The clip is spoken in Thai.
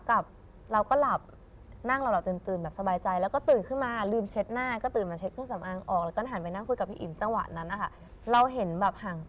ขาดกลับเราก็หลับ